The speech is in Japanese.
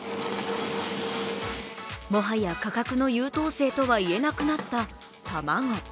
もはや価格の優等生とは言えなくなった卵。